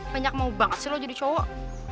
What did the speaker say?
banyak mau banget sih lo jadi cowok